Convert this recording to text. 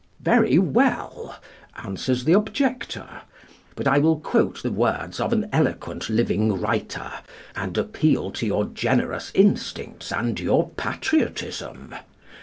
"Very well," answers the objector: "But I will quote the words of an eloquent living writer, and appeal to your generous instincts and your patriotism.